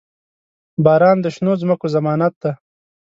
• باران د شنو ځمکو ضمانت دی.